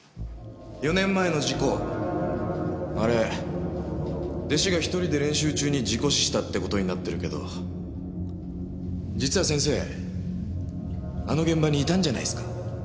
４年前の事故あれ弟子が一人で練習中に事故死したって事になってるけど実は先生あの現場にいたんじゃないっすか？